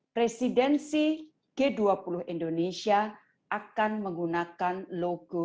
presidensi g dua puluh indonesia akan menggunakan logo